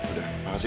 udah makasih ya